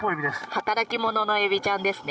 働き者のエビちゃんですね。